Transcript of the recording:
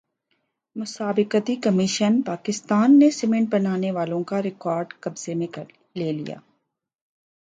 مسابقتی کمیشن پاکستان نے سیمنٹ بنانے والوں کا ریکارڈ قبضے میں لے لیا